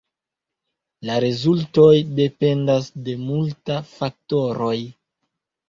La rezultoj dependas de multa faktoroj.